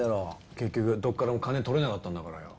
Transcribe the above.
結局どっからも金取れなかったんだからよ。